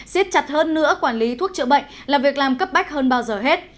xiết chặt hơn nữa quản lý thuốc chữa bệnh là việc làm cấp bách hơn bao giờ hết